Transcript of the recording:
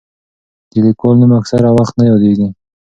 د لیکوال نوم اکثره وخت نه یادېږي.